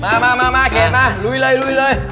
มาเขนมาดูเลย